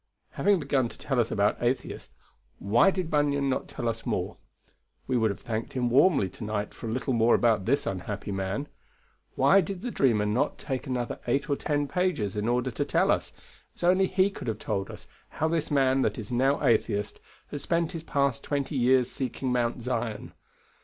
Having begun to tell us about Atheist, why did Bunyan not tell us more? We would have thanked him warmly to night for a little more about this unhappy man. Why did the dreamer not take another eight or ten pages in order to tell us, as only he could have told us, how this man that is now Atheist had spent his past twenty years seeking Mount Zion?